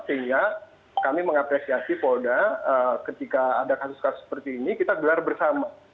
sehingga kami mengapresiasi polda ketika ada kasus kasus seperti ini kita gelar bersama